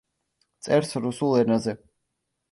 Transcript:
წერს რუსულ ენაზე.